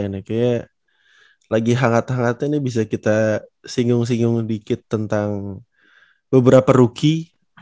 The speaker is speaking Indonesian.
kayaknya lagi hangat hangatnya ini bisa kita singgung singgung dikit tentang beberapa rookie